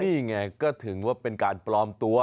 นี่ไงก็ถือว่าเป็นการปลอมตัว